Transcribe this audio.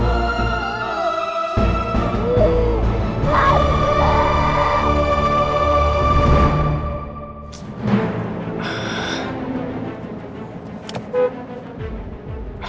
fahri harus tau nih